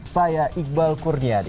saya iqbal kurniadi